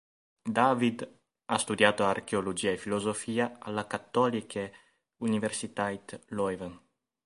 David ha studiato archeologia e filosofia alla Katholieke Universiteit Leuven.